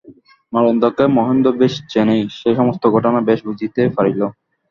নরেন্দ্রকে মহেন্দ্র বেশ চেনে, সে সমস্ত ঘটনা বেশ বুঝিতে পারিল।